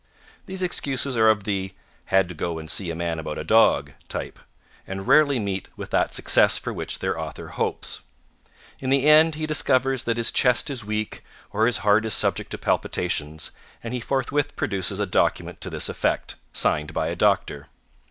These excuses are of the "had to go and see a man about a dog" type, and rarely meet with that success for which their author hopes. In the end he discovers that his chest is weak, or his heart is subject to palpitations, and he forthwith produces a document to this effect, signed by a doctor.